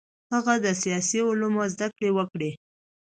هغه د سیاسي علومو زده کړه وکړه.